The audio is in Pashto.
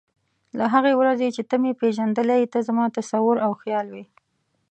له هغې ورځې چې ته مې پېژندلی یې ته زما تصور او خیال وې.